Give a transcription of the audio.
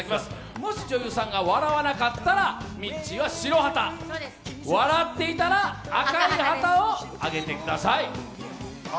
もし女優さんが笑わなかったらミッチーは白旗、笑っていたら赤い旗を揚げてください。